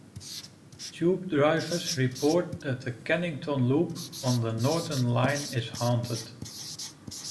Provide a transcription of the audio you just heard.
Tube drivers report that the Kennington Loop on the Northern line is haunted.